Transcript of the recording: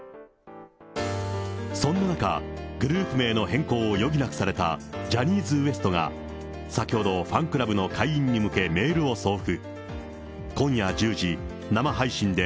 そんな中、グループ名の変更を余儀なくされたジャニーズＷＥＳＴが、先ほど、ファンクラブの会員に向けメールを送付。